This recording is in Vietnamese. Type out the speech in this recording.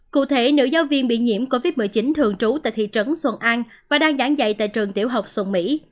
cụ thể nữ giáo viên bị nhiễm covid một mươi chín thường trú tại thị trấn xuân an và đang giảng dạy tại trường tiểu học xuân mỹ